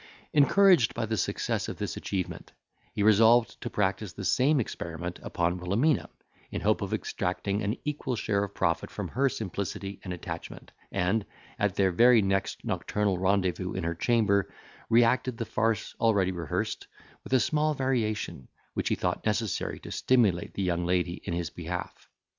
Encouraged by the success of this achievement, he resolved to practise the same experiment upon Wilhelmina, in hope of extracting an equal share of profit from her simplicity and attachment, and, at their very next nocturnal rendezvous in her chamber, reacted the farce already rehearsed, with a small variation, which he thought necessary to stimulate the young lady in his behalf.